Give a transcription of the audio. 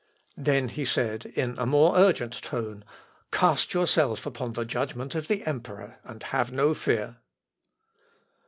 Then he said, in a more urgent tone, "Cast yourself upon the judgment of the emperor, and have no fear."